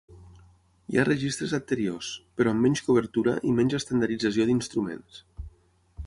Hi ha registres anteriors, però amb menys cobertura i menys estandardització d'instruments.